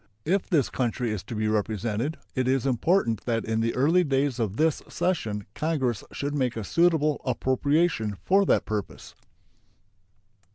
If this country is to be represented, it is important that in the early days of this session Congress should make a suitable appropriation for that purpose.